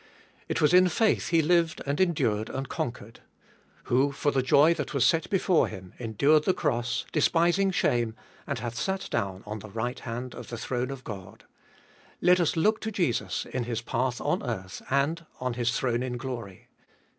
It was in faith He lived and endured and conquered. Who for the joy that was set before Him endured the cross, despising shame, and hath sat down on the right hand of the throne of God. Let us look Tboliest of Bll 483 to Jesus in His path on earth, and on His throne in glory.